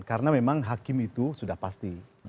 karena memang hakim itu sudah pasti